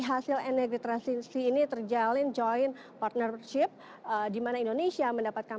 hasil energi transisi ini terjalin joint partnership dimana indonesia mendapatkan